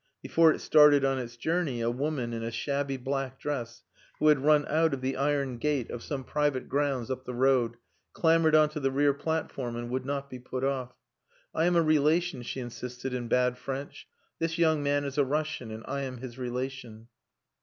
Before it started on its journey, a woman in a shabby black dress, who had run out of the iron gate of some private grounds up the road, clambered on to the rear platform and would not be put off. "I am a relation," she insisted, in bad French. "This young man is a Russian, and I am his relation."